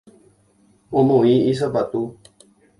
Omoĩ isapatu.